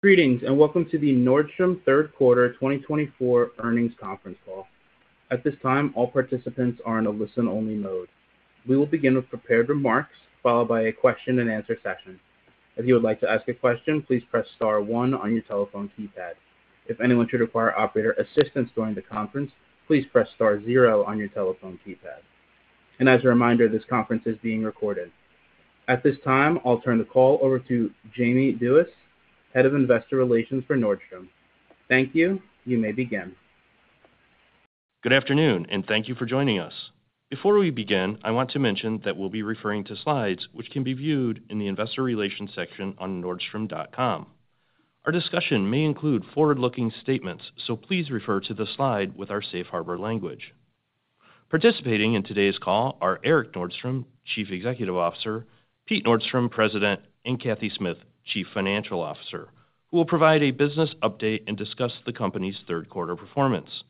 Greetings and welcome to the Nordstrom Q3 2024 earnings conference call. At this time, all participants are in a listen-only mode. We will begin with prepared remarks, followed by a question-and-answer session. If you would like to ask a question, please press star one on your telephone keypad. If anyone should require operator assistance during the conference, please press star zero on your telephone keypad. And as a reminder, this conference is being recorded. At this time, I'll turn the call over to Jamie Duies, Head of Investor Relations for Nordstrom. Thank you. You may begin. Good afternoon, and thank you for joining us. Before we begin, I want to mention that we'll be referring to slides, which can be viewed in the Investor Relations section on Nordstrom.com. Our discussion may include forward-looking statements, so please refer to the slide with our safe harbor language. Participating in today's call are Erik Nordstrom, Chief Executive Officer, Pete Nordstrom, President, and Cathy Smith, Chief Financial Officer, who will provide a business update and discuss the company's Q3 performance.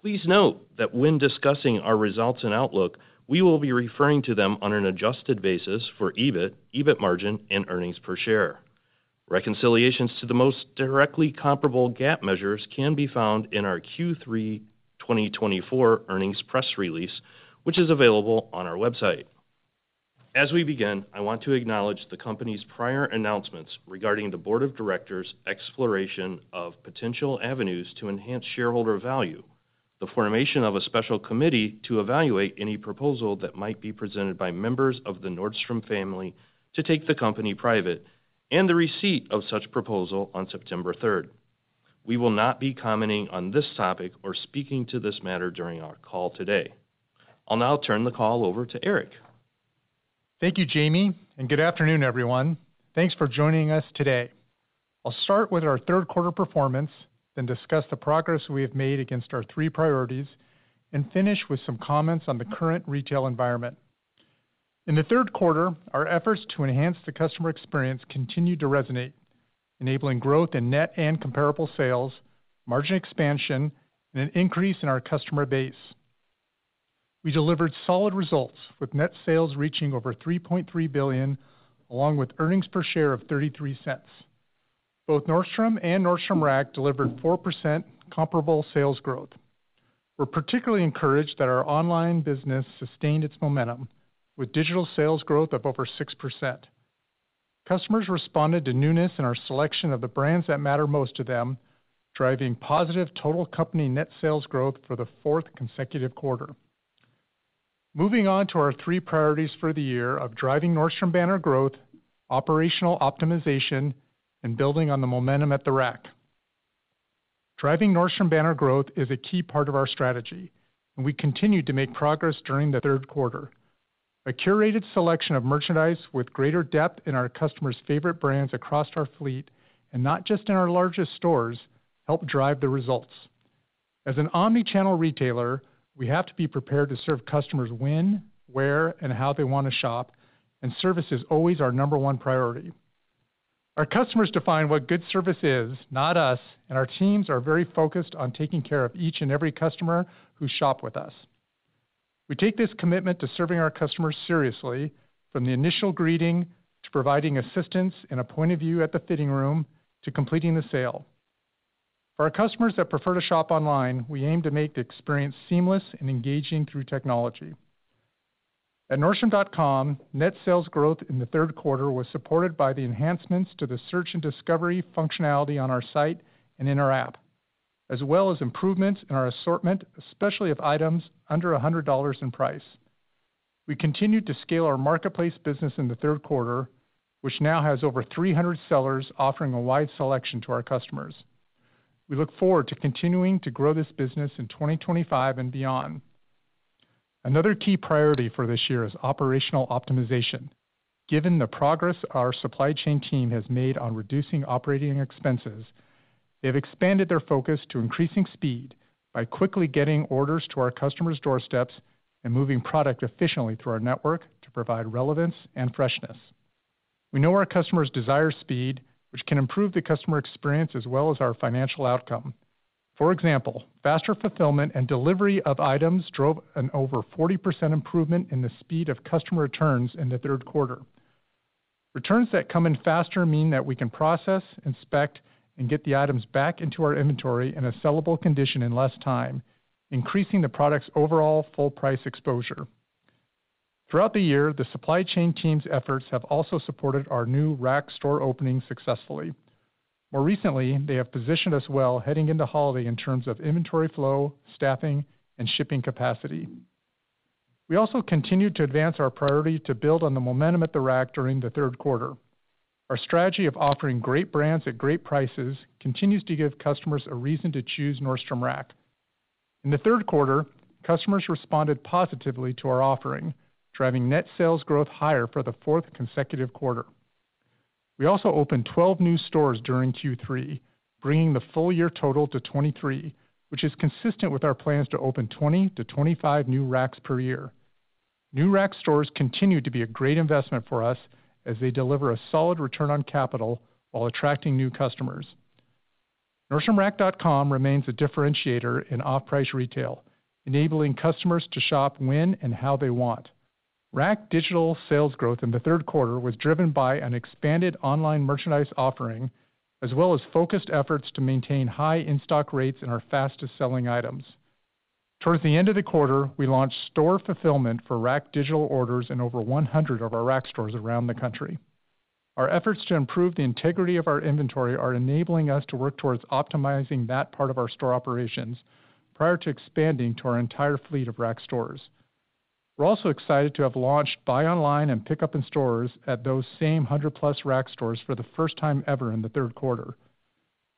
Please note that when discussing our results and outlook, we will be referring to them on an adjusted basis for EBIT, EBIT margin, and earnings per share. Reconciliations to the most directly comparable GAAP measures can be found in our Q3 2024 earnings press release, which is available on our website. As we begin, I want to acknowledge the company's prior announcements regarding the Board of Directors' exploration of potential avenues to enhance shareholder value, the formation of a special committee to evaluate any proposal that might be presented by members of the Nordstrom family to take the company private, and the receipt of such proposal on September 3rd. We will not be commenting on this topic or speaking to this matter during our call today. I'll now turn the call over to Erik. Thank you, Jamie, and good afternoon, everyone. Thanks for joining us today. I'll start with our Q3 performance, then discuss the progress we have made against our 3 priorities, and finish with some comments on the current retail environment. In the Q3, our efforts to enhance the customer experience continue to resonate, enabling growth in net and comparable sales, margin expansion, and an increase in our customer base. We delivered solid results, with net sales reaching over $3.3 billion, along with earnings per share of $0.33. Both Nordstrom and Nordstrom Rack delivered 4% comparable sales growth. We're particularly encouraged that our online business sustained its momentum, with digital sales growth of over 6%. Customers responded to newness in our selection of the brands that matter most to them, driving positive total company net sales growth for the fourth consecutive quarter. Moving on to our 3 priorities for the year of driving Nordstrom banner growth, operational optimization, and building on the momentum at the Rack. Driving Nordstrom banner growth is a key part of our strategy, and we continue to make progress during the Q3. A curated selection of merchandise with greater depth in our customers' favorite brands across our fleet, and not just in our largest stores, helped drive the results. As an omnichannel retailer, we have to be prepared to serve customers when, where, and how they want to shop, and service is always our number one priority. Our customers define what good service is, not us, and our teams are very focused on taking care of each and every customer who shops with us. We take this commitment to serving our customers seriously, from the initial greeting to providing assistance and a point of view at the fitting room to completing the sale. For our customers that prefer to shop online, we aim to make the experience seamless and engaging through technology. At nordstrom.com, net sales growth in the Q3 was supported by the enhancements to the search and discovery functionality on our site and in our app, as well as improvements in our assortment, especially of items under $100 in price. We continued to scale our marketplace business in the Q3, which now has over 300 sellers offering a wide selection to our customers. We look forward to continuing to grow this business in 2025 and beyond. Another key priority for this year is operational optimization. Given the progress our supply chain team has made on reducing operating expenses, they have expanded their focus to increasing speed by quickly getting orders to our customers' doorsteps and moving product efficiently through our network to provide relevance and freshness. We know our customers desire speed, which can improve the customer experience as well as our financial outcome. For example, faster fulfillment and delivery of items drove an over 40% improvement in the speed of customer returns in the Q3. Returns that come in faster mean that we can process, inspect, and get the items back into our inventory in a sellable condition in less time, increasing the product's overall full price exposure. Throughout the year, the supply chain team's efforts have also supported our new Rack store opening successfully. More recently, they have positioned us well heading into holiday in terms of inventory flow, staffing, and shipping capacity. We also continue to advance our priority to build on the momentum at the rack during the Q3. Our strategy of offering great brands at great prices continues to give customers a reason to choose Nordstrom Rack. In the Q3, customers responded positively to our offering, driving net sales growth higher for the fourth consecutive quarter. We also opened 12 new stores during Q3, bringing the full year total to 23, which is consistent with our plans to open 20-25 new Racks per year. New Rack stores continue to be a great investment for us as they deliver a solid return on capital while attracting new customers. NordstromRack.com remains a differentiator in off-price retail, enabling customers to shop when and how they want. Rack digital sales growth in the Q3 was driven by an expanded online merchandise offering, as well as focused efforts to maintain high in-stock rates in our fastest-selling items. Towards the end of the quarter, we launched store fulfillment for Rack digital orders in over 100 of our Rack stores around the country. Our efforts to improve the integrity of our inventory are enabling us to work towards optimizing that part of our store operations prior to expanding to our entire fleet of Rack stores. We're also excited to have launched buy online and pick up in stores at those same 100+ Rack stores for the first time ever in the Q3.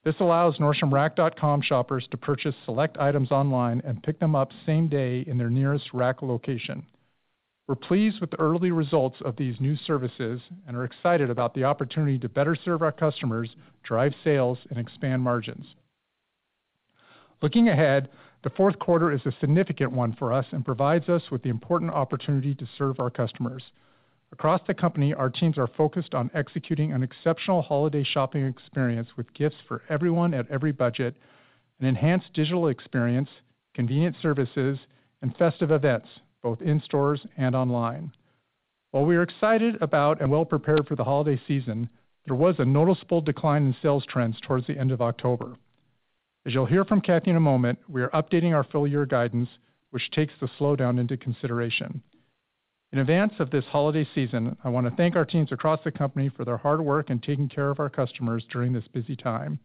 This allows NordstromRack.com shoppers to purchase select items online and pick them up same day in their nearest Rack location. We're pleased with the early results of these new services and are excited about the opportunity to better serve our customers, drive sales, and expand margins. Looking ahead, the Q4 is a significant one for us and provides us with the important opportunity to serve our customers. Across the company, our teams are focused on executing an exceptional holiday shopping experience with gifts for everyone at every budget, an enhanced digital experience, convenient services, and festive events, both in stores and online. While we are excited about and well prepared for the holiday season, there was a noticeable decline in sales trends towards the end of October. As you'll hear from Cathy in a moment, we are updating our full year guidance, which takes the slowdown into consideration. In advance of this holiday season, I want to thank our teams across the company for their hard work in taking care of our customers during this busy time.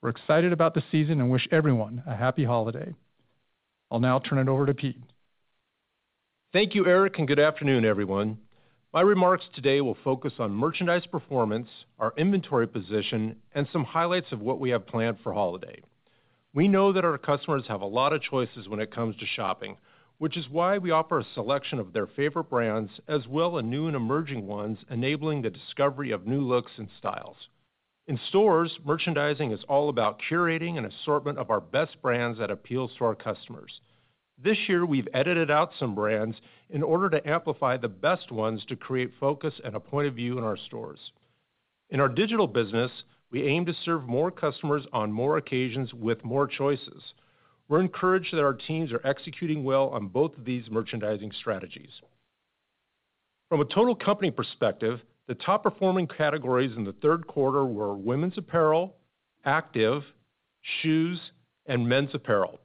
We're excited about the season and wish everyone a happy holiday. I'll now turn it over to Pete. Thank you, Erik, and good afternoon, everyone. My remarks today will focus on merchandise performance, our inventory position, and some highlights of what we have planned for holiday. We know that our customers have a lot of choices when it comes to shopping, which is why we offer a selection of their favorite brands, as well as new and emerging ones, enabling the discovery of new looks and styles. In stores, merchandising is all about curating an assortment of our best brands that appeal to our customers. This year, we've edited out some brands in order to amplify the best ones to create focus and a point of view in our stores. In our digital business, we aim to serve more customers on more occasions with more choices. We're encouraged that our teams are executing well on both of these merchandising strategies. From a total company perspective, the top-performing categories in the Q3 were women's apparel, active, shoes, and men's apparel.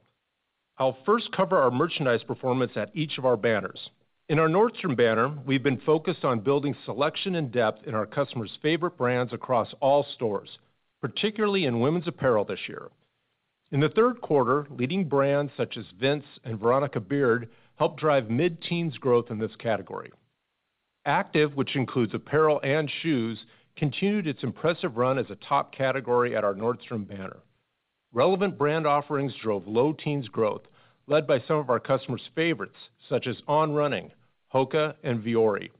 I'll first cover our merchandise performance at each of our banners. In our Nordstrom banner, we've been focused on building selection and depth in our customers' favorite brands across all stores, particularly in women's apparel this year. In the Q3, leading brands such as Vince and Veronica Beard helped drive mid-teens growth in this category. Active, which includes apparel and shoes, continued its impressive run as a top category at our Nordstrom banner. Relevant brand offerings drove low teens growth, led by some of our customers' favorites, such as On Running, Hoka, and Vuori.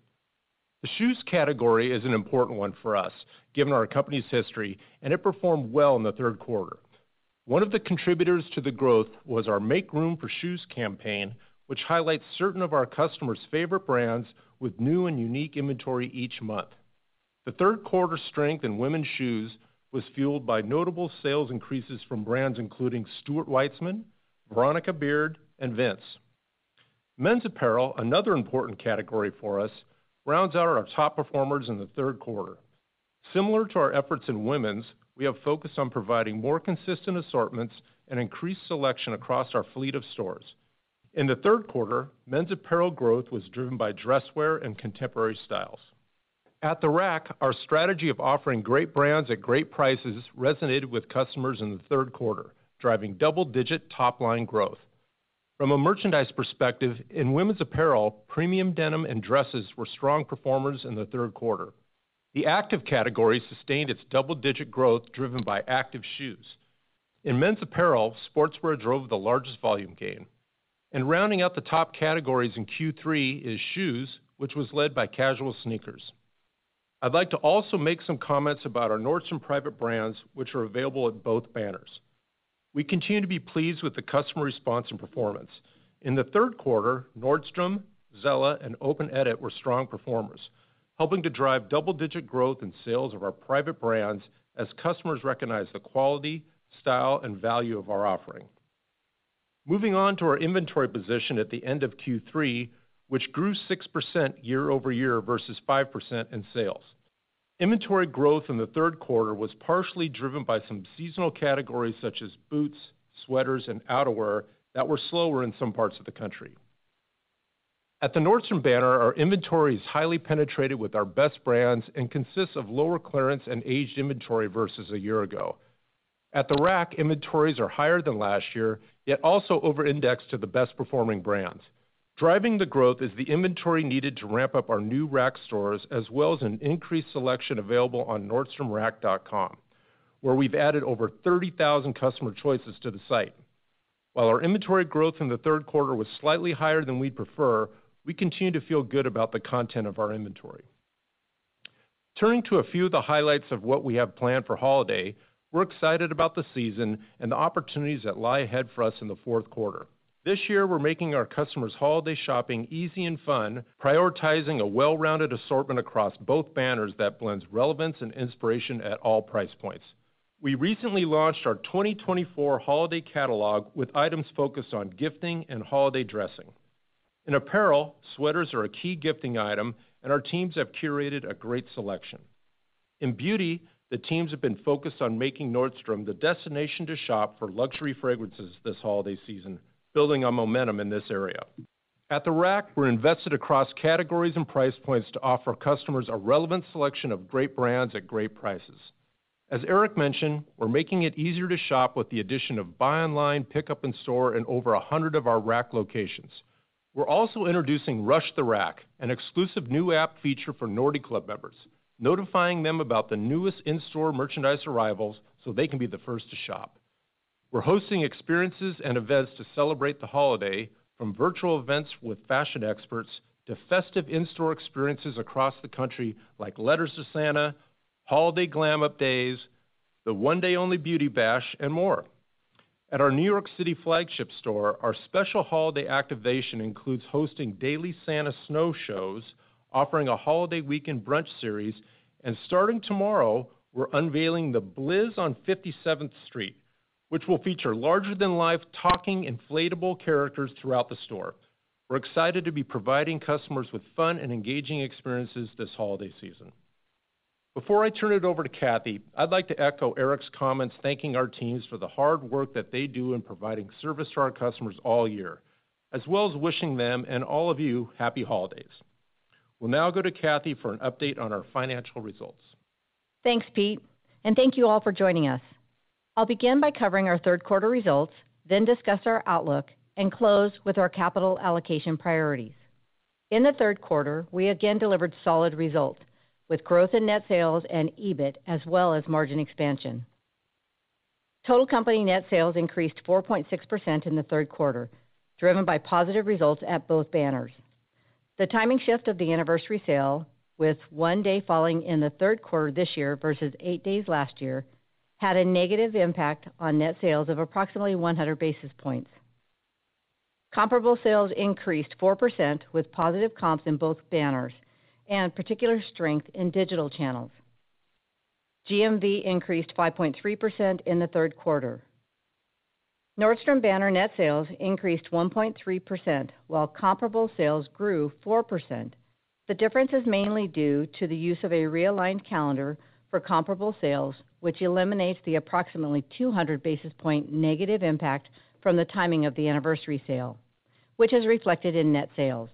The shoes category is an important one for us, given our company's history, and it performed well in the Q3. One of the contributors to the growth was our Make Room for Shoes campaign, which highlights certain of our customers' favorite brands with new and unique inventory each month. The Q3 strength in women's shoes was fueled by notable sales increases from brands including Stuart Weitzman, Veronica Beard, and Vince. Men's apparel, another important category for us, rounds out our top performers in the Q3. Similar to our efforts in women's, we have focused on providing more consistent assortments and increased selection across our fleet of stores. In the Q3, men's apparel growth was driven by dresswear and contemporary styles. At the Rack, our strategy of offering great brands at great prices resonated with customers in the Q3, driving double-digit top-line growth. From a merchandise perspective, in women's apparel, premium denim and dresses were strong performers in the Q3. The active category sustained its double-digit growth driven by active shoes. In men's apparel, sportswear drove the largest volume gain. And rounding out the top categories in Q3 is shoes, which was led by casual sneakers. I'd like to also make some comments about our Nordstrom private brands, which are available at both banners. We continue to be pleased with the customer response and performance. In the Q3, Nordstrom, Zella, and Open Edit were strong performers, helping to drive double-digit growth in sales of our private brands as customers recognize the quality, style, and value of our offering. Moving on to our inventory position at the end of Q3, which grew 6% year-over-year versus 5% in sales. Inventory growth in the Q3 was partially driven by some seasonal categories such as boots, sweaters, and outerwear that were slower in some parts of the country. At the Nordstrom banner, our inventory is highly penetrated with our best brands and consists of lower clearance and aged inventory versus a year ago. At the Rack, inventories are higher than last year, yet also over-indexed to the best-performing brands. Driving the growth is the inventory needed to ramp up our new Rack stores, as well as an increased selection available on NordstromRack.com, where we've added over 30,000 customer choices to the site. While our inventory growth in the Q3 was slightly higher than we'd prefer, we continue to feel good about the content of our inventory. Turning to a few of the highlights of what we have planned for holiday, we're excited about the season and the opportunities that lie ahead for us in the fourth quarter. This year, we're making our customers' holiday shopping easy and fun, prioritizing a well-rounded assortment across both banners that blends relevance and inspiration at all price points. We recently launched our 2024 holiday catalog with items focused on gifting and holiday dressing. In apparel, sweaters are a key gifting item, and our teams have curated a great selection. In beauty, the teams have been focused on making Nordstrom the destination to shop for luxury fragrances this holiday season, building on momentum in this area. At the Rack, we're invested across categories and price points to offer customers a relevant selection of great brands at great prices. As Erik mentioned, we're making it easier to shop with the addition of buy online, pick up in store, and over 100 of our Rack locations. We're also introducing Rush the Rack, an exclusive new app feature for Nordy Club members, notifying them about the newest in-store merchandise arrivals so they can be the first to shop. We're hosting experiences and events to celebrate the holiday, from virtual events with fashion experts to festive in-store experiences across the country like Letters to Santa, Holiday Glam Up Days, the One Day Only Beauty Bash, and more. At our New York City flagship store, our special holiday activation includes hosting daily Santa snow shows, offering a holiday weekend brunch series, and starting tomorrow, we're unveiling the Blizz on 57th Street, which will feature larger-than-life talking inflatable characters throughout the store. We're excited to be providing customers with fun and engaging experiences this holiday season. Before I turn it over to Cathy, I'd like to echo Erik's comments thanking our teams for the hard work that they do in providing service to our customers all year, as well as wishing them and all of you happy holidays. We'll now go to Cathy for an update on our financial results. Thanks, Pete, and thank you all for joining us. I'll begin by covering our third-quarter results, then discuss our outlook, and close with our capital allocation priorities. In the Q3, we again delivered solid results with growth in net sales and EBIT, as well as margin expansion. Total company net sales increased 4.6% in the Q3, driven by positive results at both banners. The timing shift of the anniversary sale, with one day falling in the Q3 this year versus eight days last year, had a negative impact on net sales of approximately 100 basis points. Comparable sales increased 4% with positive comps in both banners and particular strength in digital channels. GMV increased 5.3% in the Q3. Nordstrom banner net sales increased 1.3%, while comparable sales grew 4%. The difference is mainly due to the use of a realigned calendar for comparable sales, which eliminates the approximately 200 basis point negative impact from the timing of the anniversary sale, which is reflected in net sales.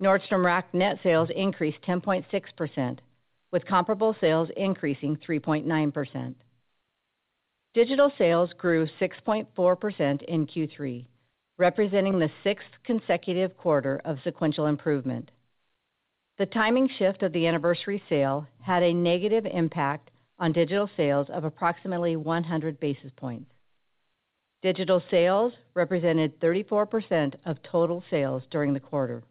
Nordstrom Rack net sales increased 10.6%, with comparable sales increasing 3.9%. Digital sales grew 6.4% in Q3, representing the sixth consecutive quarter of sequential improvement. The timing shift of the anniversary sale had a negative impact on digital sales of approximately 100 basis points. Digital sales represented 34% of total sales during the quarter.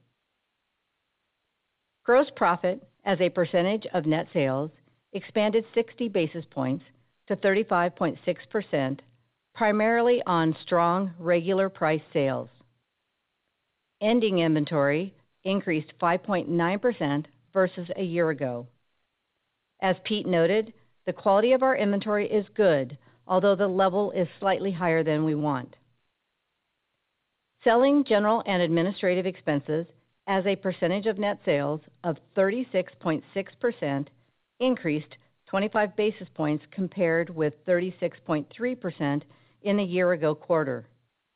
Gross profit, as a percentage of net sales, expanded 60 basis points to 35.6%, primarily on strong regular price sales. Ending inventory increased 5.9% versus a year ago. As Pete noted, the quality of our inventory is good, although the level is slightly higher than we want. Selling, general, and administrative expenses, as a percentage of net sales of 36.6%, increased 25 basis points compared with 36.3% in the year-ago quarter.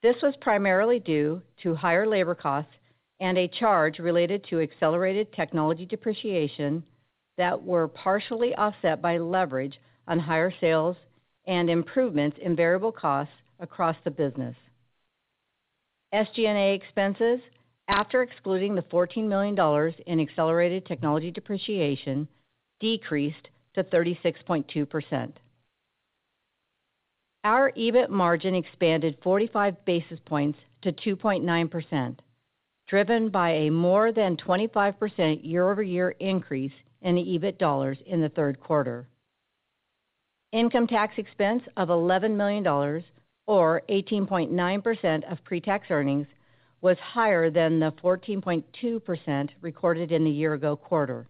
This was primarily due to higher labor costs and a charge related to accelerated technology depreciation that were partially offset by leverage on higher sales and improvements in variable costs across the business. SG&A expenses, after excluding the $14 million in accelerated technology depreciation, decreased to 36.2%. Our EBIT margin expanded 45 basis points to 2.9%, driven by a more than 25% year-over-year increase in the EBIT dollars in the Q3. Income tax expense of $11 million, or 18.9% of pre-tax earnings, was higher than the 14.2% recorded in the year-ago quarter.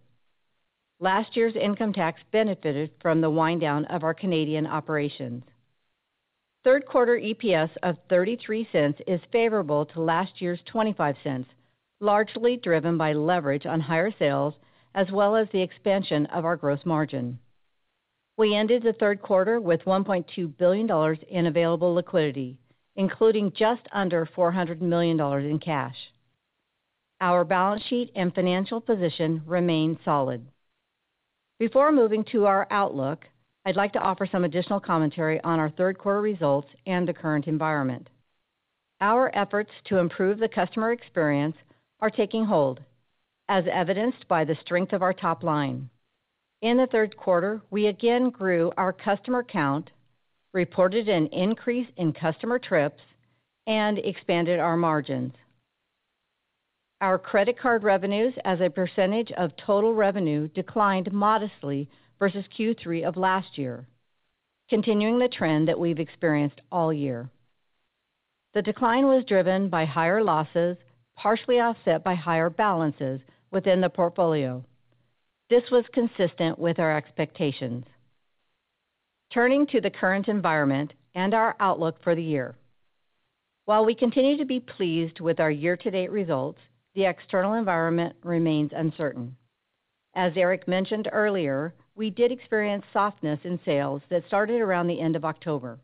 Last year's income tax benefited from the wind down of our Canadian operations. Q3 EPS of $0.33 is favorable to last year's $0.25, largely driven by leverage on higher sales as well as the expansion of our gross margin. We ended the Q3 with $1.2 billion in available liquidity, including just under $400 million in cash. Our balance sheet and financial position remain solid. Before moving to our outlook, I'd like to offer some additional commentary on our third-quarter results and the current environment. Our efforts to improve the customer experience are taking hold, as evidenced by the strength of our top line. In the Q3, we again grew our customer count, reported an increase in customer trips, and expanded our margins. Our credit card revenues, as a percentage of total revenue, declined modestly versus Q3 of last year, continuing the trend that we've experienced all year. The decline was driven by higher losses, partially offset by higher balances within the portfolio. This was consistent with our expectations. Turning to the current environment and our outlook for the year, while we continue to be pleased with our year-to-date results, the external environment remains uncertain. As Erik mentioned earlier, we did experience softness in sales that started around the end of October.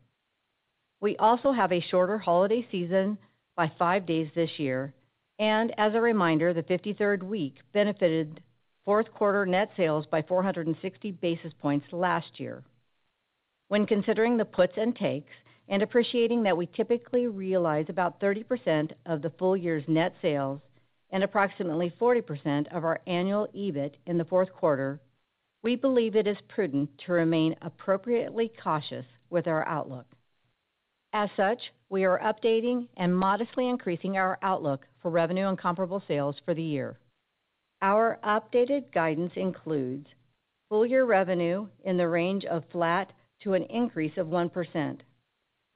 We also have a shorter holiday season by five days this year, and as a reminder, the 53rd week benefited fourth-quarter net sales by 460 basis points last year. When considering the puts and takes and appreciating that we typically realize about 30% of the full year's net sales and approximately 40% of our annual EBIT in the fourth quarter, we believe it is prudent to remain appropriately cautious with our outlook. As such, we are updating and modestly increasing our outlook for revenue and comparable sales for the year. Our updated guidance includes full-year revenue in the range of flat to an increase of 1%,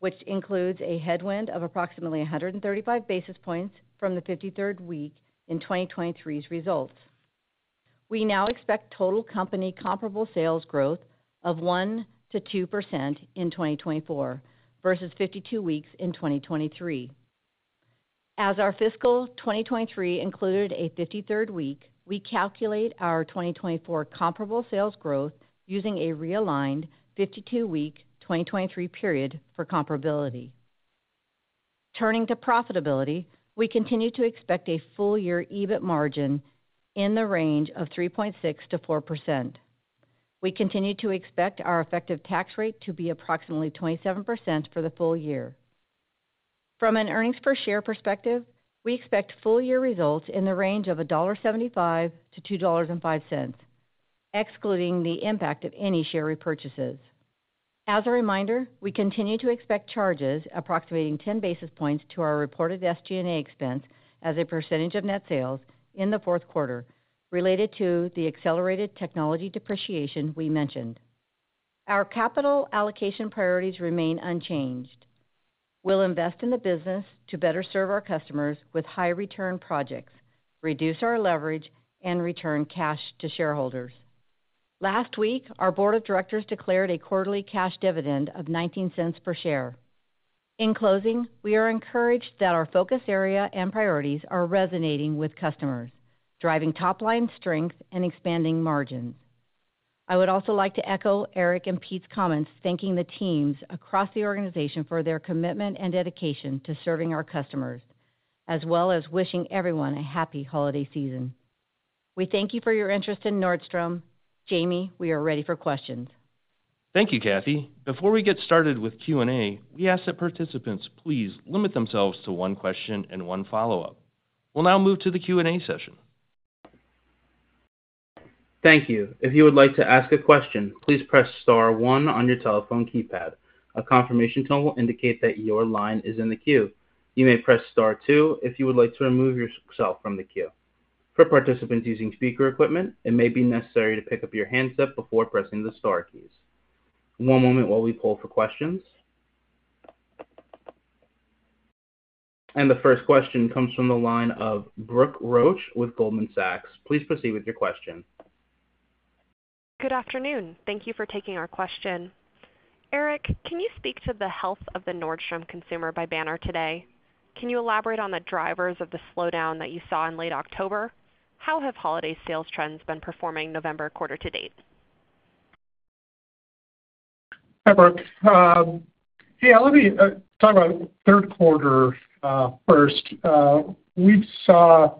which includes a headwind of approximately 135 basis points from the 53rd week in 2023's results. We now expect total company comparable sales growth of 1%-2 in 2024 versus 52 weeks in 2023. As our fiscal 2023 included a 53rd week, we calculate our 2024 comparable sales growth using a realigned 52-week 2023 period for comparability. Turning to profitability, we continue to expect a full-year EBIT margin in the range of 3.6%-4. We continue to expect our effective tax rate to be approximately 27% for the full year. From an earnings per share perspective, we expect full-year results in the range of $1.75-2.05, excluding the impact of any share repurchases. As a reminder, we continue to expect charges approximating 10 basis points to our reported SG&A expense as a percentage of net sales in the fourth quarter related to the accelerated technology depreciation we mentioned. Our capital allocation priorities remain unchanged. We'll invest in the business to better serve our customers with high-return projects, reduce our leverage, and return cash to shareholders. Last week, our board of directors declared a quarterly cash dividend of $0.19 per share. In closing, we are encouraged that our focus area and priorities are resonating with customers, driving top-line strength and expanding margins. I would also like to echo Erik and Pete's comments, thanking the teams across the organization for their commitment and dedication to serving our customers, as well as wishing everyone a happy holiday season. We thank you for your interest in Nordstrom. Jamie, we are ready for questions. Thank you, Cathy. Before we get started with Q&A, we ask that participants please limit themselves to one question and one follow-up. We'll now move to the Q&A session. Thank you. If you would like to ask a question, please press Star one on your telephone keypad. A confirmation tone will indicate that your line is in the queue. You may press Star two if you would like to remove yourself from the queue. For participants using speaker equipment, it may be necessary to pick up your handset before pressing the Star keys. One moment while we poll for questions, and the first question comes from the line of Brooke Roach with Goldman Sachs. Please proceed with your question. Good afternoon. Thank you for taking our question. Erik, can you speak to the health of the Nordstrom consumer by banner today? Can you elaborate on the drivers of the slowdown that you saw in late October? How have holiday sales trends been performing November quarter to date? Hi, Brooke. Yeah, let me talk about Q3 first. We saw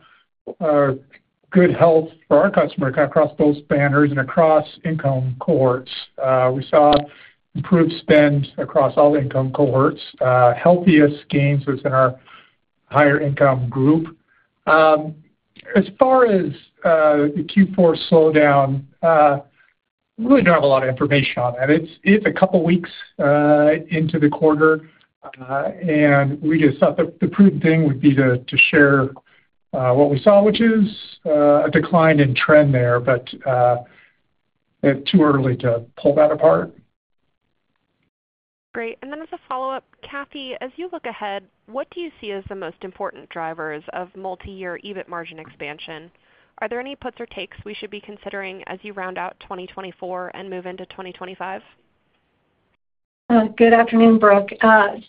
good health for our customer across both banners and across income cohorts. We saw improved spend across all income cohorts, healthiest gains within our higher-income group. As far as the Q4 slowdown, we really don't have a lot of information on that. It's a couple of weeks into the quarter, and we just thought the prudent thing would be to share what we saw, which is a decline in trend there, but it's too early to pull that apart. Great. And then as a follow-up, Cathy, as you look ahead, what do you see as the most important drivers of multi-year EBIT margin expansion? Are there any puts or takes we should be considering as you round out 2024 and move into 2025? Good afternoon, Brooke.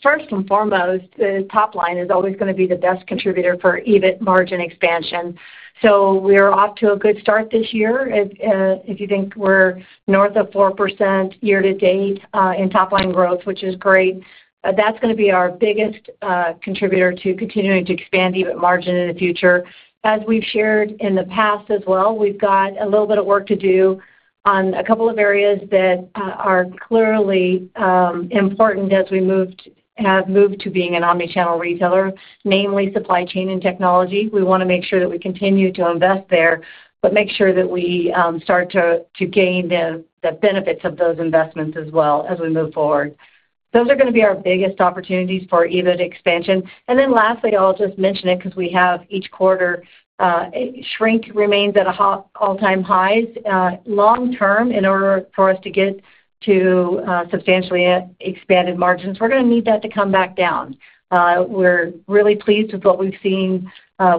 First and foremost, the top line is always going to be the best contributor for EBIT margin expansion. So we are off to a good start this year. If you think we're north of 4% year-to-date in top-line growth, which is great, that's going to be our biggest contributor to continuing to expand EBIT margin in the future. As we've shared in the past as well, we've got a little bit of work to do on a couple of areas that are clearly important as we have moved to being an omnichannel retailer, namely supply chain and technology. We want to make sure that we continue to invest there, but make sure that we start to gain the benefits of those investments as well as we move forward. Those are going to be our biggest opportunities for EBIT expansion. And then, lastly, I'll just mention it because, each quarter, shrink remains at all-time highs. Long-term, in order for us to get to substantially expanded margins, we're going to need that to come back down. We're really pleased with what we've seen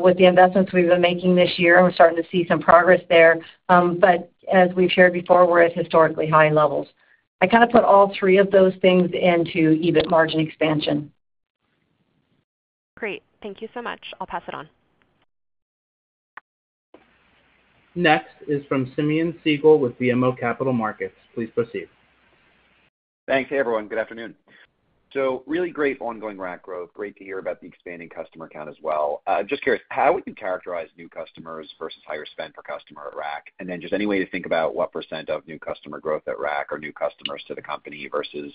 with the investments we've been making this year, and we're starting to see some progress there. But as we've shared before, we're at historically high levels. I kind of put all three of those things into EBIT margin expansion. Great. Thank you so much. I'll pass it on. Next is from Simeon Siegel with BMO Capital Markets. Please proceed. Thanks, everyone. Good afternoon. So really great ongoing Rack growth. Great to hear about the expanding customer count as well. Just curious, how would you characterize new customers versus higher spend per customer at Rack? And then just any way to think about what % of new customer growth at Rack or new customers to the company versus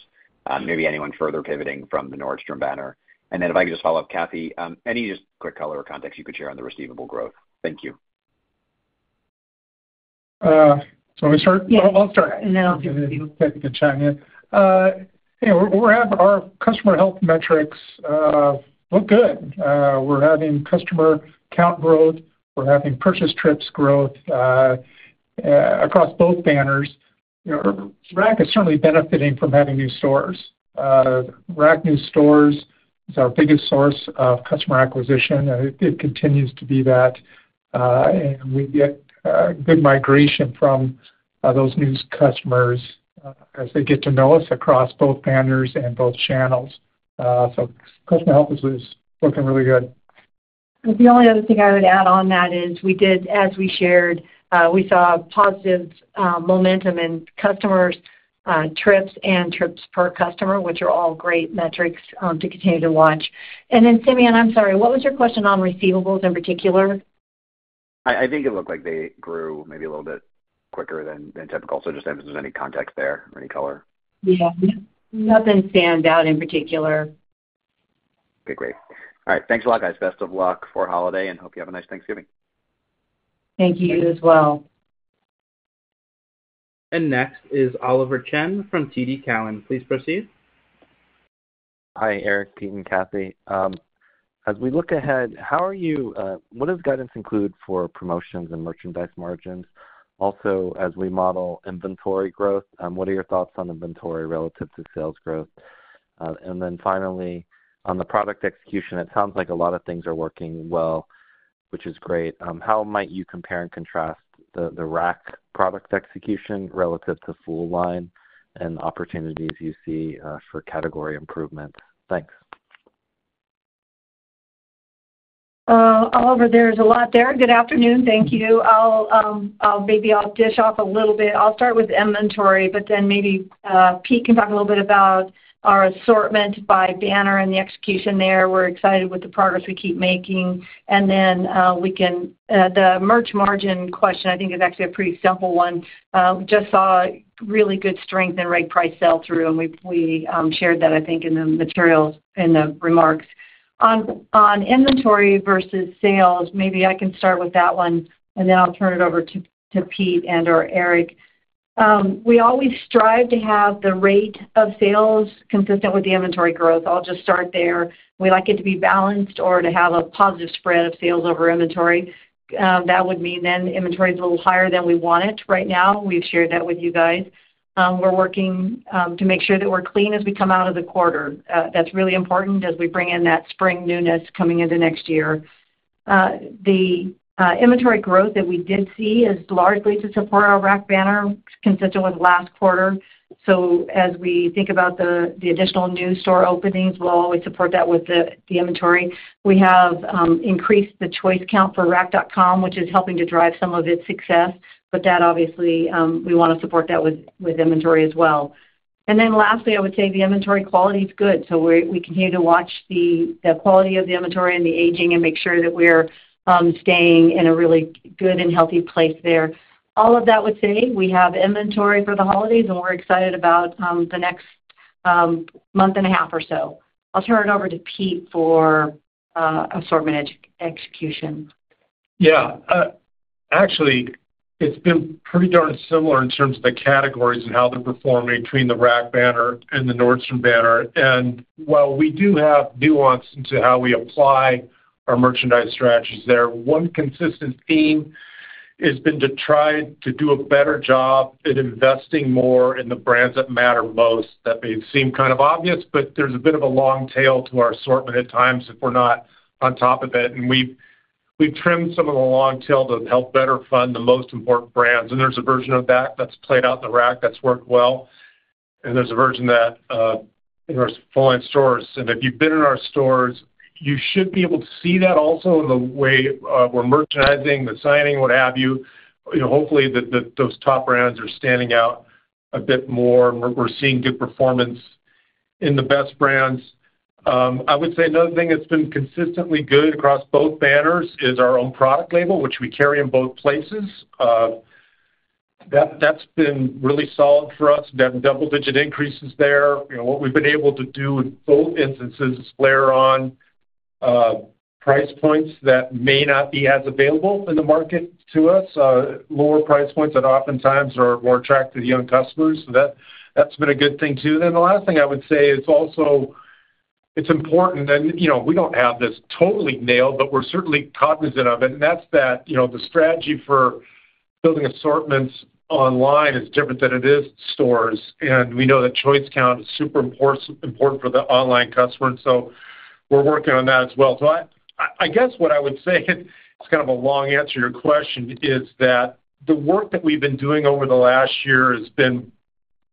maybe anyone further pivoting from the Nordstrom banner? And then if I could just follow up, Cathy, any just quick color or context you could share on the receivable growth? Thank you. So I'll start, and then I'll give you a chance. We're having our customer health metrics look good. We're having customer count growth. We're having purchase trips growth across both banners. Rack is certainly benefiting from having new stores. Rack new stores is our biggest source of customer acquisition, and it continues to be that. And we get good migration from those new customers as they get to know us across both banners and both channels. So customer health is looking really good. The only other thing I would add on that is we did, as we shared, we saw positive momentum in customers' trips and trips per customer, which are all great metrics to continue to watch. And then Simeon, I'm sorry, what was your question on receivables in particular? I think it looked like they grew maybe a little bit quicker than typical, so just if there's any context there or any color. Yeah. Nothing stands out in particular. Okay, great. All right. Thanks a lot, guys. Best of luck for holiday and hope you have a nice Thanksgiving. Thank you as well. Next is Oliver Chen from TD Cowen. Please proceed. Hi, Erik, Pete, and Cathy. As we look ahead, how are you? What does guidance include for promotions and merchandise margins? Also, as we model inventory growth, what are your thoughts on inventory relative to sales growth? And then finally, on the product execution, it sounds like a lot of things are working well, which is great. How might you compare and contrast the Rack product execution relative to full line and opportunities you see for category improvement? Thanks. Oliver, there's a lot there. Good afternoon. Thank you. Maybe I'll dodge off a little bit. I'll start with inventory, but then maybe Pete can talk a little bit about our assortment by banner and the execution there. We're excited with the progress we keep making. And then the merch margin question, I think, is actually a pretty simple one. We just saw really good strength in full-price sell-through, and we shared that, I think, in the materials in the remarks. On inventory versus sales, maybe I can start with that one, and then I'll turn it over to Pete or Erik. We always strive to have the rate of sales consistent with the inventory growth. I'll just start there. We like it to be balanced or to have a positive spread of sales over inventory. That would mean then inventory is a little higher than we want it right now. We've shared that with you guys. We're working to make sure that we're clean as we come out of the quarter. That's really important as we bring in that spring newness coming into next year. The inventory growth that we did see is largely to support our Rack banner, consistent with last quarter. So as we think about the additional new store openings, we'll always support that with the inventory. We have increased the choice count for Rack.com, which is helping to drive some of its success, but that obviously we want to support that with inventory as well. And then lastly, I would say the inventory quality is good. So we continue to watch the quality of the inventory and the aging and make sure that we're staying in a really good and healthy place there. All of that would say we have inventory for the holidays, and we're excited about the next month and a half or so. I'll turn it over to Pete for assortment execution. Yeah. Actually, it's been pretty darn similar in terms of the categories and how they're performing between the Rack banner and the Nordstrom banner. And while we do have nuance into how we apply our merchandise strategies there, one consistent theme has been to try to do a better job at investing more in the brands that matter most. That may seem kind of obvious, but there's a bit of a long tail to our assortment at times if we're not on top of it. And we've trimmed some of the long tail to help better fund the most important brands. And there's a version of that that's played out in the Rack that's worked well. And there's a version that in our full-line stores. And if you've been in our stores, you should be able to see that also in the way we're merchandising, the signing, what have you. Hopefully, those top brands are standing out a bit more. We're seeing good performance in the best brands. I would say another thing that's been consistently good across both banners is our own product label, which we carry in both places. That's been really solid for us. We've had double-digit increases there. What we've been able to do in both instances is layer on price points that may not be as available in the market to us, lower price points that oftentimes are more attractive to young customers. So that's been a good thing too. And then the last thing I would say is also it's important, and we don't have this totally nailed, but we're certainly cognizant of it. And that's that the strategy for building assortments online is different than it is stores. And we know that choice count is super important for the online customer. And so we're working on that as well. So I guess what I would say, it's kind of a long answer to your question, is that the work that we've been doing over the last year has been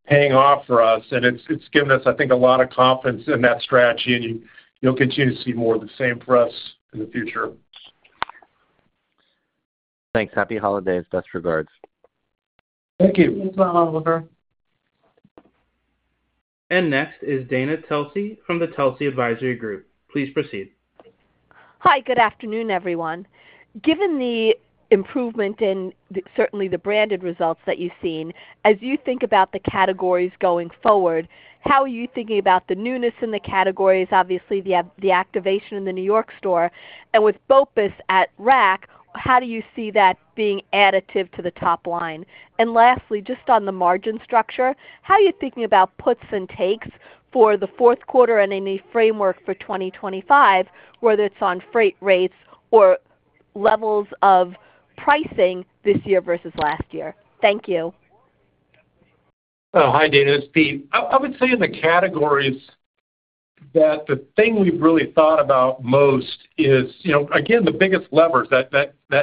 paying off for us, and it's given us, I think, a lot of confidence in that strategy. And you'll continue to see more of the same for us in the future. Thanks. Happy holidays. Best regards. Thank you. Thanks, Oliver. Next is Dana Telsey from the Telsey Advisory Group. Please proceed. Hi, good afternoon, everyone. Given the improvement in certainly the branded results that you've seen, as you think about the categories going forward, how are you thinking about the newness in the categories? Obviously, the activation in the New York store. And with BOPUS at Rack, how do you see that being additive to the top line? And lastly, just on the margin structure, how are you thinking about puts and takes for the fourth quarter and any framework for 2025, whether it's on freight rates or levels of pricing this year versus last year? Thank you. Hi, Dana. It's Pete. I would say in the categories that the thing we've really thought about most is, again, the biggest levers that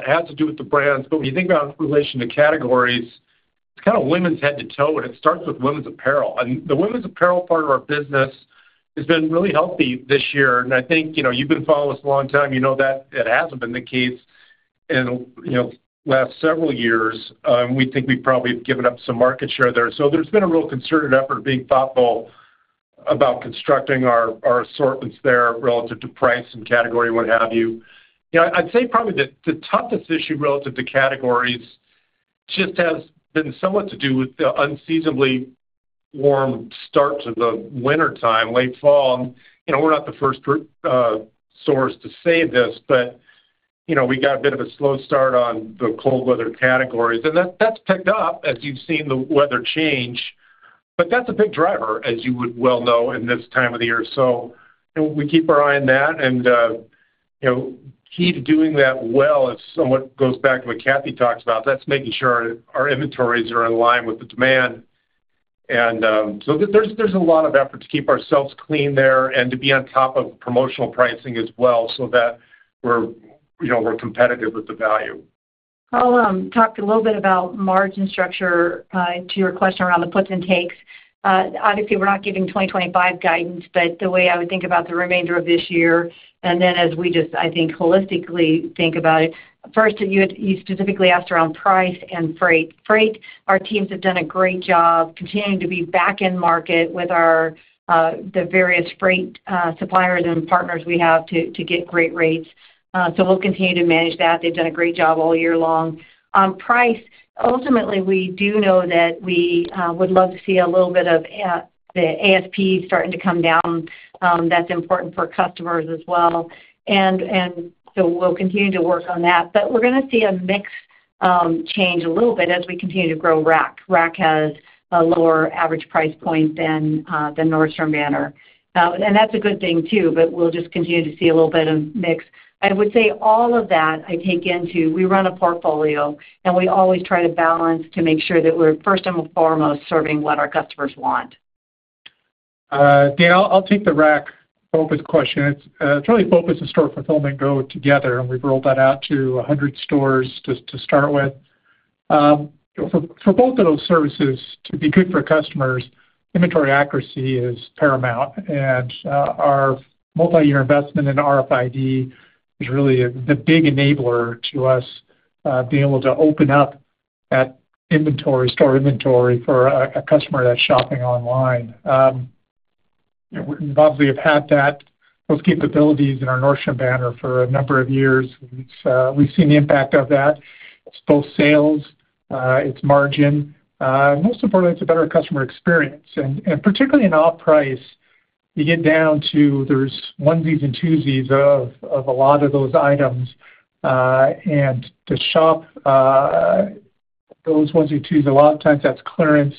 has to do with the brands. But when you think about relation to categories, it's kind of women's head to toe, and it starts with women's apparel. And the women's apparel part of our business has been really healthy this year. And I think you've been following us a long time. You know that it hasn't been the case in the last several years. We think we've probably given up some market share there. So there's been a real concerted effort of being thoughtful about constructing our assortments there relative to price and category, what have you. I'd say probably the toughest issue relative to categories just has been somewhat to do with the unseasonably warm start to the wintertime, late fall. And we're not the first source to say this, but we got a bit of a slow start on the cold weather categories. And that's picked up as you've seen the weather change. But that's a big driver, as you would well know, in this time of the year. So we keep our eye on that. And key to doing that well, somewhat goes back to what Cathy talks about. That's making sure our inventories are in line with the demand. And so there's a lot of effort to keep ourselves clean there and to be on top of promotional pricing as well so that we're competitive with the value. I'll talk a little bit about margin structure to your question around the puts and takes. Obviously, we're not giving 2025 guidance, but the way I would think about the remainder of this year and then as we just, I think, holistically think about it, first, you specifically asked around price and freight. Freight, our teams have done a great job continuing to be back in market with the various freight suppliers and partners we have to get great rates. So we'll continue to manage that. They've done a great job all year long. On price, ultimately, we do know that we would love to see a little bit of the ASP starting to come down. That's important for customers as well. And so we'll continue to work on that. But we're going to see a mix change a little bit as we continue to grow Rack. Rack has a lower average price point than the Nordstrom banner, and that's a good thing too, but we'll just continue to see a little bit of mix. I would say all of that I take into we run a portfolio, and we always try to balance to make sure that we're first and foremost serving what our customers want. Dana, I'll take the Rack focus question. It's really BOPUS and store fulfillment go together, and we've rolled that out to 100 stores to start with. For both of those services to be good for customers, inventory accuracy is paramount. And our multi-year investment in RFID is really the big enabler to us being able to open up that inventory, store inventory for a customer that's shopping online. We've obviously had those capabilities in our Nordstrom banner for a number of years. We've seen the impact of that. It's both sales, it's margin. Most importantly, it's a better customer experience. And particularly in off-price, you get down to there's onesies and twosies of a lot of those items. And to shop those onesies and twosies, a lot of times that's clearance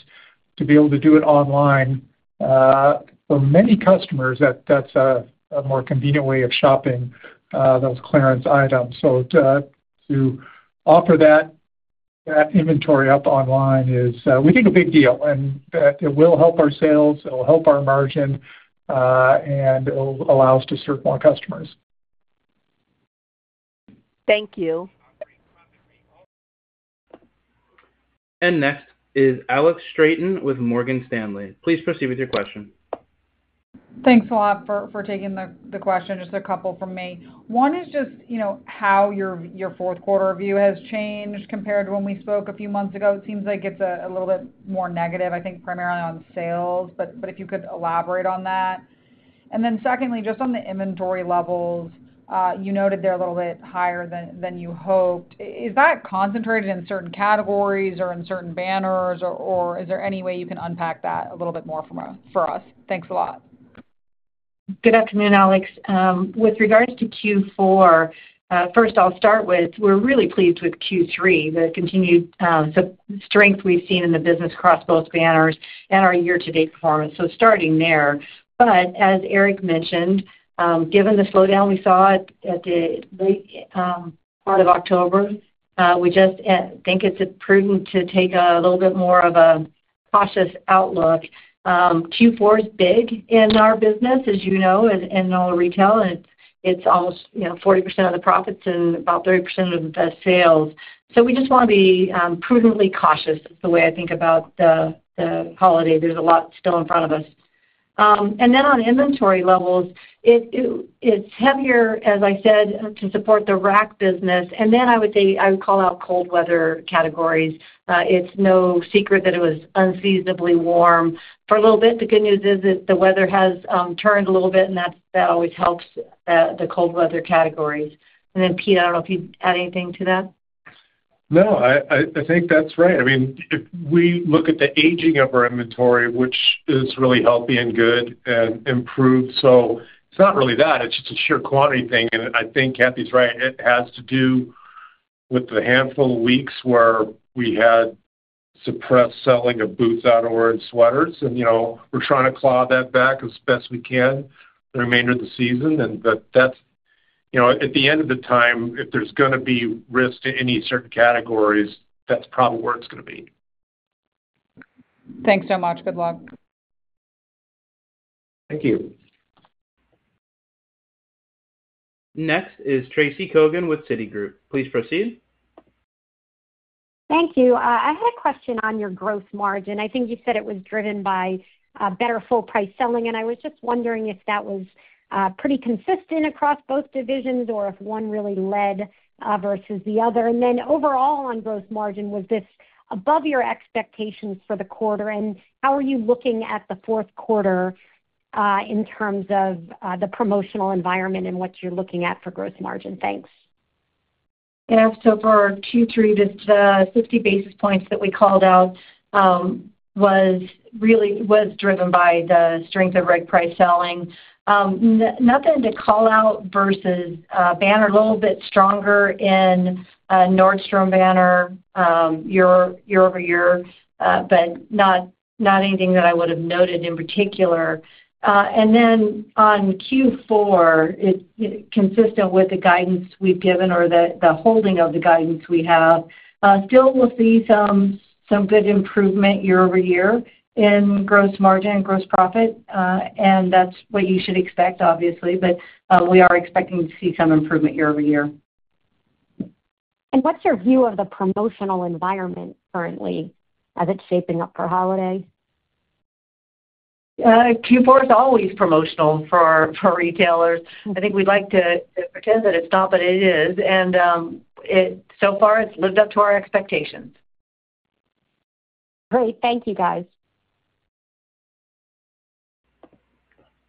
to be able to do it online. For many customers, that's a more convenient way of shopping those clearance items. So to offer that inventory up online is, we think, a big deal. And it will help our sales. It'll help our margin, and it'll allow us to serve more customers. Thank you. Next is Alex Straton with Morgan Stanley. Please proceed with your question. Thanks a lot for taking the question. Just a couple from me. One is just how your fourth quarter view has changed compared to when we spoke a few months ago. It seems like it's a little bit more negative, I think, primarily on sales, but if you could elaborate on that? And then secondly, just on the inventory levels, you noted they're a little bit higher than you hoped. Is that concentrated in certain categories or in certain banners, or is there any way you can unpack that a little bit more for us? Thanks a lot. Good afternoon, Alex. With regards to Q4, first, I'll start with, we're really pleased with Q3, the continued strength we've seen in the business across both banners and our year-to-date performance. So starting there. But as Erik mentioned, given the slowdown we saw at the late part of October, we just think it's prudent to take a little bit more of a cautious outlook. Q4 is big in our business, as you know, in all retail. It's almost 40% of the profits and about 30% of the sales. So we just want to be prudently cautious. That's the way I think about the holiday. There's a lot still in front of us. And then on inventory levels, it's heavier, as I said, to support the Rack business. And then I would say I would call out cold weather categories. It's no secret that it was unseasonably warm for a little bit. The good news is that the weather has turned a little bit, and that always helps the cold weather categories, and then Pete, I don't know if you'd add anything to that. No, I think that's right. I mean, if we look at the aging of our inventory, which is really healthy and good and improved. So it's not really that. It's just a sheer quantity thing. And I think Cathy's right. It has to do with the handful of weeks where we had suppressed selling of boots, outerwear, and sweaters. And we're trying to claw that back as best we can the remainder of the season. And at the end of the time, if there's going to be risk to any certain categories, that's probably where it's going to be. Thanks so much. Good luck. Thank you. Next is Tracy Kogan with Citigroup. Please proceed. Thank you. I had a question on your gross margin. I think you said it was driven by better full-price selling. And I was just wondering if that was pretty consistent across both divisions or if one really led versus the other. And then overall, on gross margin, was this above your expectations for the quarter? And how are you looking at the fourth quarter in terms of the promotional environment and what you're looking at for gross margin? Thanks. And so for Q3, just the 50 basis points that we called out was driven by the strength of right price selling. Nothing to call out versus banner a little bit stronger in Nordstrom banner year over year, but not anything that I would have noted in particular. And then on Q4, consistent with the guidance we've given or the holding of the guidance we have, still we'll see some good improvement year over year in gross margin and gross profit. And that's what you should expect, obviously. But we are expecting to see some improvement year over year. What's your view of the promotional environment currently as it's shaping up for holiday? Q4 is always promotional for retailers. I think we'd like to pretend that it's not, but it is, and so far, it's lived up to our expectations. Great. Thank you, guys.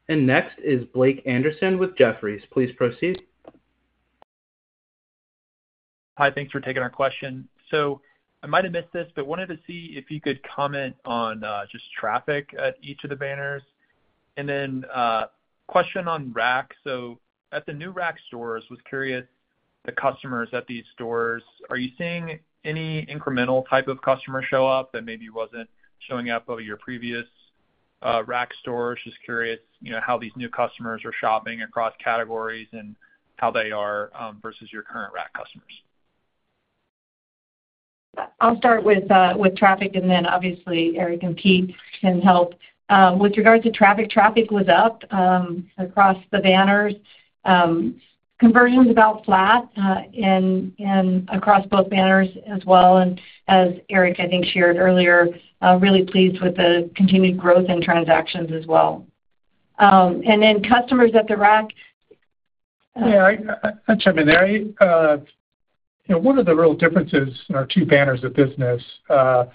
Next is Blake Anderson with Jefferies. Please proceed. Hi. Thanks for taking our question. So I might have missed this, but wanted to see if you could comment on just traffic at each of the banners. And then question on Rack. So at the new Rack stores, was curious, the customers at these stores, are you seeing any incremental type of customer show up that maybe wasn't showing up over your previous Rack stores? Just curious how these new customers are shopping across categories and how they are versus your current Rack customers. I'll start with traffic. And then obviously, Erik and Pete can help. With regard to traffic, traffic was up across the banners. Conversions about flat across both banners as well. And as Erik, I think, shared earlier, really pleased with the continued growth in transactions as well. And then customers at the Rack. Yeah. I chime in there. One of the real differences in our two banners of business, our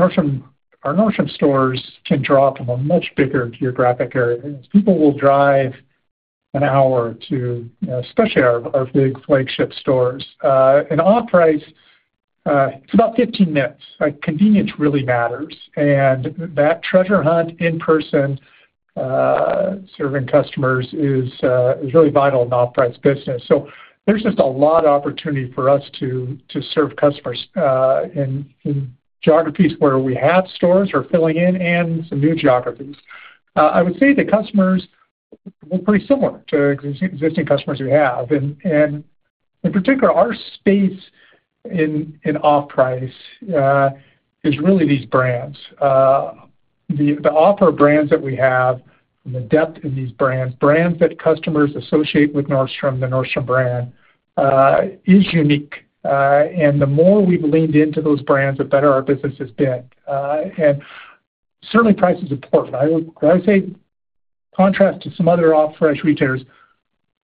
Nordstrom stores can draw from a much bigger geographic area. People will drive an hour to, especially our big flagship stores. In off-price, it's about 15 minutes. Convenience really matters. And that treasure hunt in person serving customers is really vital in the off-price business. So there's just a lot of opportunity for us to serve customers in geographies where we have stores are filling in and some new geographies. I would say the customers were pretty similar to existing customers we have. And in particular, our space in off-price is really these brands. The offer brands that we have from the depth in these brands, brands that customers associate with Nordstrom, the Nordstrom brand, is unique. And the more we've leaned into those brands, the better our business has been. And certainly, price is important. I would say, contrast to some other off-price retailers,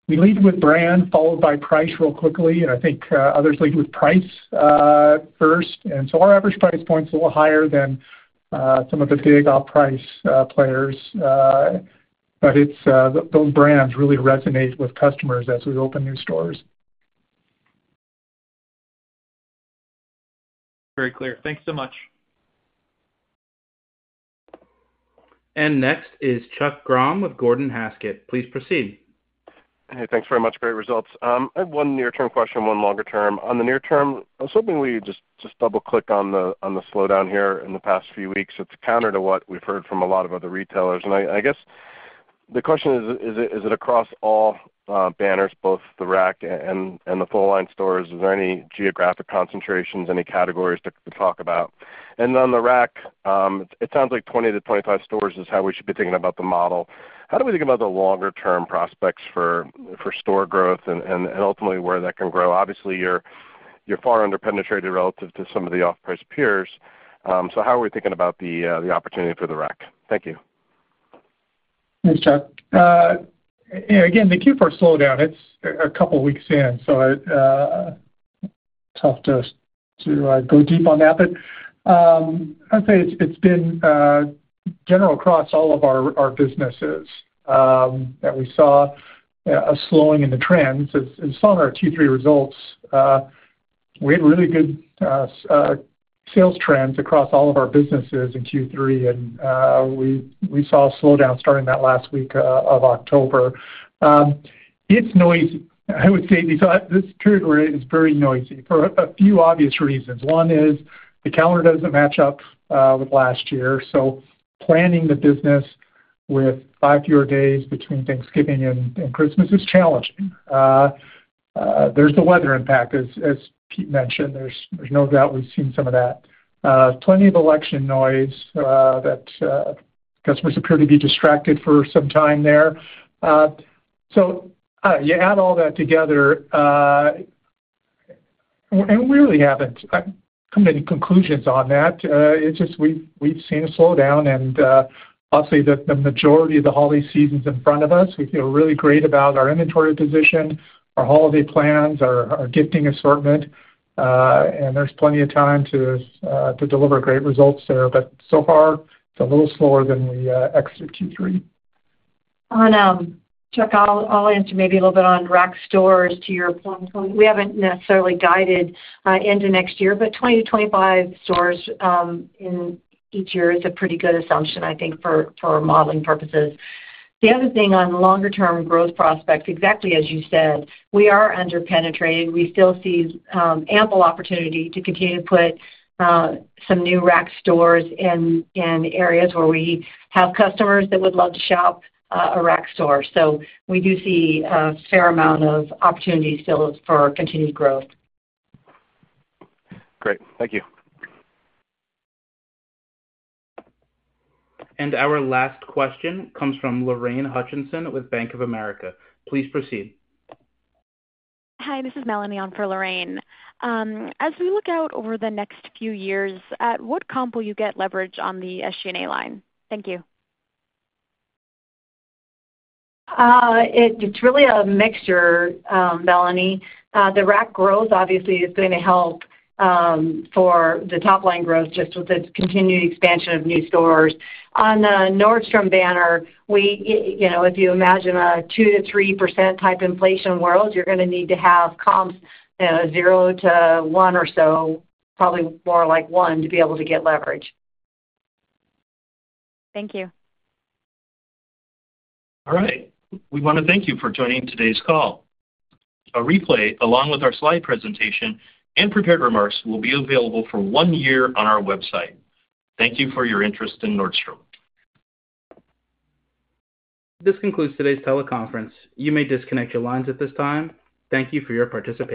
we lead with brand followed by price real quickly. And I think others lead with price first. And so our average price point's a little higher than some of the big off-price players. But those brands really resonate with customers as we open new stores. Very clear. Thanks so much. And next is Chuck Grom with Gordon Haskett. Please proceed. Hey, thanks very much. Great results. I have one near-term question, one longer term. On the near term, I was hoping we just double-click on the slowdown here in the past few weeks. It's counter to what we've heard from a lot of other retailers, and I guess the question is, is it across all banners, both the Rack and the full-line stores? Is there any geographic concentrations, any categories to talk about, and on the Rack, it sounds like 20 to 25 stores is how we should be thinking about the model. How do we think about the longer-term prospects for store growth and ultimately where that can grow? Obviously, you're far underpenetrated relative to some of the off-price peers, so how are we thinking about the opportunity for the Rack? Thank you. Thanks, Chuck. Again, the Q4 slowdown, it's a couple of weeks in, so tough to go deep on that. But I'd say it's been general across all of our businesses that we saw a slowing in the trends. And saw in our Q3 results, we had really good sales trends across all of our businesses in Q3. And we saw a slowdown starting that last week of October. It's noisy. I would say this period is very noisy for a few obvious reasons. One is the calendar doesn't match up with last year. So planning the business with five fewer days between Thanksgiving and Christmas is challenging. There's the weather impact, as Pete mentioned. There's no doubt we've seen some of that. Plenty of election noise that customers appear to be distracted for some time there. So you add all that together, and we really haven't come to any conclusions on that. It's just we've seen a slowdown. And obviously, the majority of the holiday season's in front of us. We feel really great about our inventory position, our holiday plans, our gifting assortment. And there's plenty of time to deliver great results there. But so far, it's a little slower than we expected Q3. On Chuck, I'll answer maybe a little bit on Rack stores to your point. We haven't necessarily guided into next year, but 20-25 stores in each year is a pretty good assumption, I think, for modeling purposes. The other thing on longer-term growth prospects, exactly as you said, we are underpenetrated. We still see ample opportunity to continue to put some new Rack stores in areas where we have customers that would love to shop a Rack store. So we do see a fair amount of opportunity still for continued growth. Great. Thank you. And our last question comes from Lorraine Hutchinson with Bank of America. Please proceed. Hi, this is Melanie on for Lorraine. As we look out over the next few years, at what comp will you get leverage on the SG&A line? Thank you. It's really a mixture, Melanie. The Rack growth, obviously, is going to help for the top-line growth just with the continued expansion of new stores. On the Nordstrom banner, if you imagine a 2%-3 type inflation world, you're going to need to have comps 0%-1 or so, probably more like 1%, to be able to get leverage. Thank you. All right. We want to thank you for joining today's call. A replay, along with our slide presentation and prepared remarks, will be available for one year on our website. Thank you for your interest in Nordstrom. This concludes today's teleconference. You may disconnect your lines at this time. Thank you for your participation.